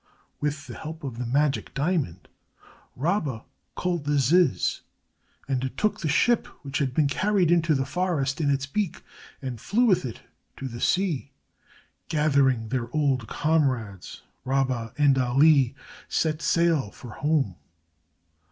With the help of the magic diamond, Rabba called the ziz, and it took the ship which had been carried into the forest in its beak and flew with it to the sea. Gathering their old comrades, Rabba and Ali set sail for home.